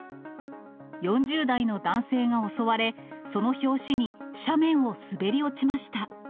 ４０代の男性が襲われ、その拍子に斜面を滑り落ちました。